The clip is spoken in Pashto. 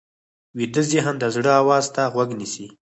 ویده ذهن د زړه آواز ته غوږ نیسي